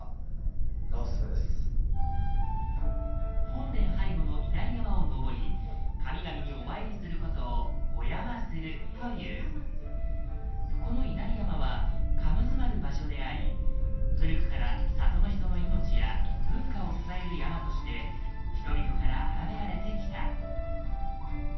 本殿背後の稲荷山を登り神々にお参りすることを「お山する」というこの稲荷山は神留る場所であり古くから里の人の命や文化を支える山として人々からあがめられてきた